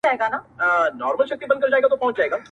زه مي خپل نصیب له سور او تال سره زدوولی یم!.